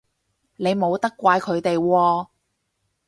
你冇得怪佢哋喎